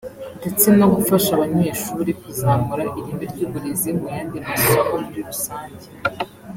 ndetse no gufasha abanyeshuri kuzamura ireme ry’uburezi mu yandi masomo muri rusange